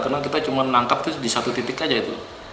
karena kita cuma menangkap itu di satu titik aja itu